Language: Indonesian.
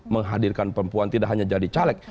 menghadirkan perempuan tidak hanya jadi caleg